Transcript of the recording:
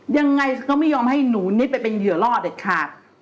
ยังไงก็ไม่ยอมให้หนูนี้ไปเป็นเหยื่อรอดอะค่ะ